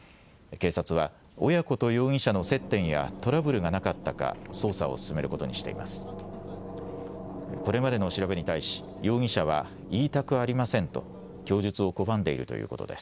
警察は、親子と容疑者の接点や、トラブルがなかったか、捜査を進めることにしています。